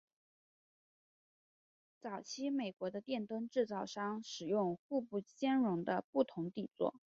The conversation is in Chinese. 早期美国的电灯制造商使用互不兼容的不同底座。